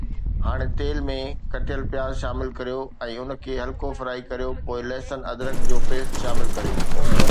ھاڻي تيل ۾ ڪٽيل پياز شامل ڪريو ۽ ان کي ھلڪو فرائي ڪريو پوءِ لہسن ادرک جو پيسٽ شامل ڪريو